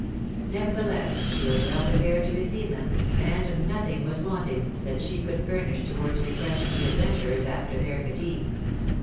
Nevertheless, she was well prepared to receive them, and nothing was wanting that she could furnish towards refreshing the adventurers after their fatigue.